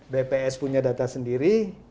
bps punya data sendiri